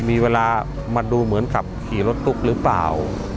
มีเวลามาดูเหมือนกับขี่รถตุ๊กหรือเปล่า